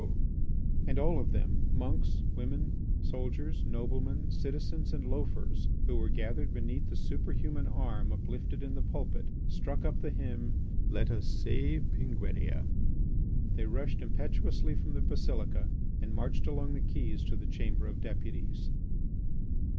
and all of them, monks, women, soldiers, noblemen, citizens, and loafers, who were gathered beneath the superhuman arm uplifted in the pulpit, struck up the hymn, "Let us save Penguinia!" They rushed impetuously from the basilica and marched along the quays to the Chamber of Deputies.